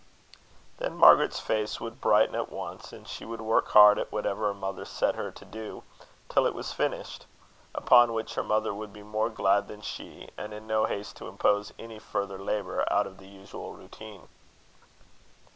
Then Margaret's face would brighten at once, and she would work hard at whatever her mother set her to do, till it was finished; upon which her mother would be more glad than she, and in no haste to impose any further labour out of the usual routine.